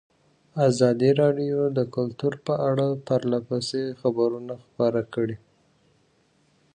ازادي راډیو د کلتور په اړه پرله پسې خبرونه خپاره کړي.